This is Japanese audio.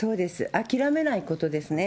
諦めないことですね。